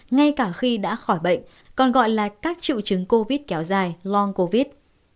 ngay cả khi đã khỏi bệnh còn gọi là các triệu chứng covid kéo dài log covid